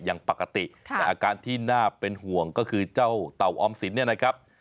อย่างปกติแต่อาการที่น่าเป็นห่วงก็คือเจ้าเต่าออมสินเนี่ยนะครับ